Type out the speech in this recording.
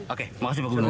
oke makasih pak gubernur